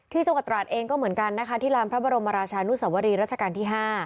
จังหวัดตราดเองก็เหมือนกันนะคะที่ลานพระบรมราชานุสวรีรัชกาลที่๕